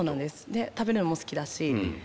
で食べるのも好きだし。